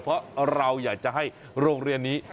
เพราะเราอยากจะให้โรงเรียนนี้